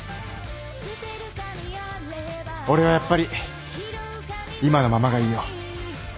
俺はやっぱり今のままがいいよ